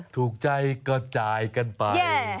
ถูกใจก็จ่ายกันไป